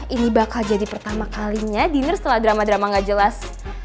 ini bakal jadi pertama kalinya dinner setelah drama drama gak jelas